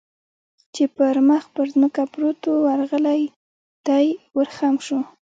چې پر مخ پر ځمکه پروت و، ورغلی، دی ور خم شو.